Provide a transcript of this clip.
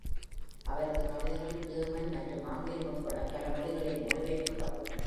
அவரது கவிதைகள் ஜெர்மன் மற்றும் ஆங்கிலம் உட்பட பல மொழிகளில் மொழிபெயர்க்கப்பட்டுள்ளன.